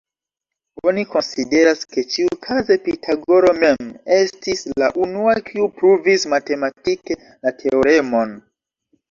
Oni konsideras ke ĉiukaze Pitagoro mem estis la unua kiu pruvis matematike la teoremon.